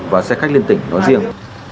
và xe khách liên tỉnh nói riêng